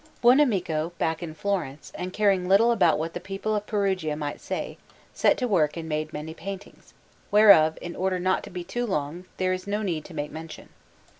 Buonamico, back in Florence and caring little about what the people of Perugia might say, set to work and made many paintings, whereof, in order not to be too long, there is no need to make mention.